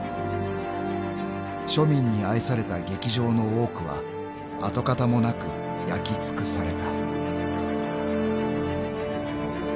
［庶民に愛された劇場の多くは跡形もなく焼き尽くされた］